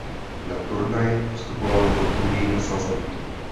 Na turnaj vstupoval jako druhý nasazený.